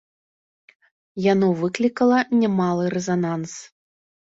Яно выклікала немалы рэзананс.